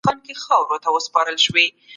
ایا په وضعي قوانینو کي دغه حق سته؟